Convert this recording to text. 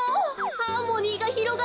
ハーモニーがひろがる。